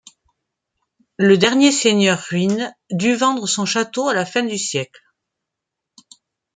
Le dernier seigneur ruine du vendre son chateau a la fin du siècle.